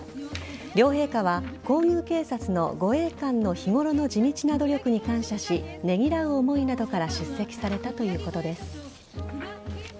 両陛下は皇宮警察の護衛官の日頃の地道な努力に感謝しねぎらう思いなどから出席されたということです。